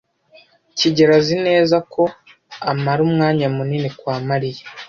kigeli azi neza ko amara umwanya munini kwa Mariya.